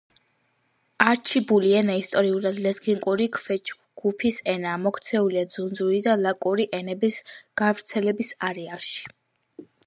არჩიბული ენა ისტორიულად ლეზგიური ქვეჯგუფის ენაა, მოქცეულია ხუნძური და ლაკური ენების გავრცელების არეალში.